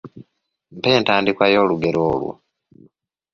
Mpa entandikwa y’olugero olwo.